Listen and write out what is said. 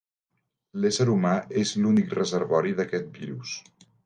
L'ésser humà és l'únic reservori d'aquest virus.